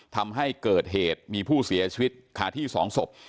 ทำให้เกิดเหตุมีผู้เสียชีวิตคาที่๒ศพ